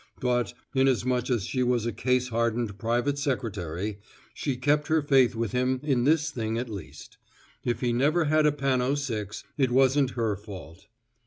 But, inasmuch as she was a case hardened private secretary, she kept her faith with him in this thing at least. If he never has a Panno Six it wasn't her fault.